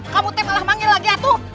kamu tipe lah manggil lagi atuh